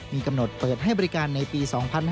มีกำหนดเปิดให้บริการในปี๒๕๕๙